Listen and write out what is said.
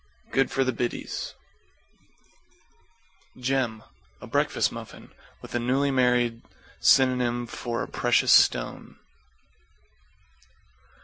Good for the biddies. =GEM= A breakfast muffin. With the newly married, syn. for "a precious stone."